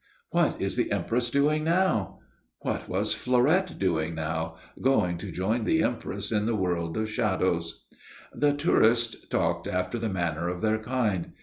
"What is the Empress doing now?" What was Fleurette doing now? Going to join the Empress in the world of shadows. The tourists talked after the manner of their kind.